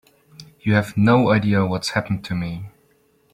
You have no idea what's happened to me.